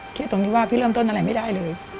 เครียดตรงนี้ว่าพี่เริ่มต้นอะไรไม่ได้เลย